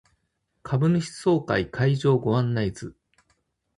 株主総会会場ご案内図